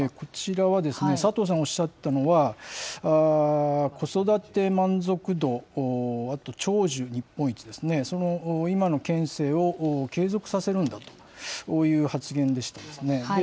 こちらはですね、佐藤さんおっしゃったのは、子育て満足度、あと長寿日本一ですね、その今の県政を継続させるんだという発言でしたね。